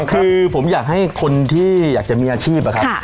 คือผมอยากให้คนที่อยากจะมีอาชีพอะครับ